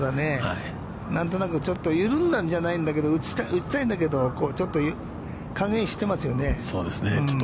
何となくちょっと緩んだんじゃないけど、打ちたいんだけど、ちょっと加減してますよね。